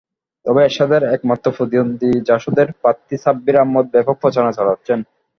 তবে এরশাদের একমাত্র প্রতিদ্বন্দ্বী জাসদের প্রার্থী সাব্বির আহমদ ব্যাপক প্রচারণা চালাচ্ছেন।